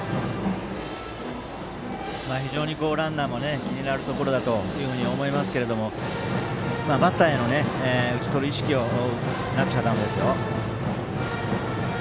非常にランナーも気になるところだというふうに思いますけどバッターの打ち取る意識をなくしちゃだめですよ。